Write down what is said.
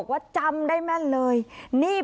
เขาเห็นกร